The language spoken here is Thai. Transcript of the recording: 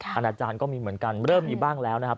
อาณาจารย์ก็มีเหมือนกันเริ่มมีบ้างแล้วนะครับ